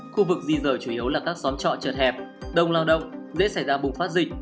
khu vực di rời chủ yếu là các xóm trọ chật hẹp đông lao động dễ xảy ra bùng phát dịch